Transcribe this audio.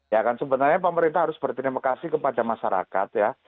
ya kan sebenarnya pemerintah harus berdemokrasi kepada masyarakat ya